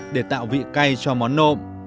để tạo vị cay cho món nộm